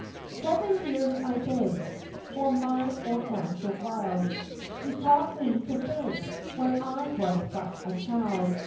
Seven years I begged For my old Master Wild, He taught me to beg When I was but a child.